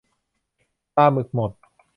ปลาหมึกหมด